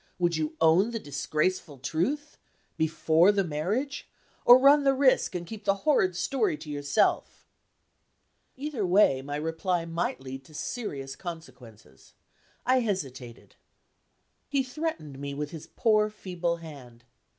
Would you own the disgraceful truth before the marriage or run the risk, and keep the horrid story to yourself?" Either way, my reply might lead to serious consequences. I hesitated. He threatened me with his poor feeble hand.